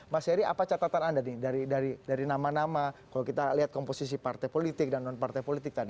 mas heri apa catatan anda nih dari nama nama kalau kita lihat komposisi partai politik dan non partai politik tadi